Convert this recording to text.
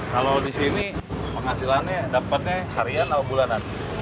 kalau di sini penghasilannya dapatnya harian atau bulanan